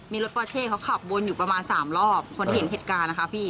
มีรถปอเช่เขาขับวนอยู่ประมาณสามรอบคนที่เห็นเหตุการณ์นะคะพี่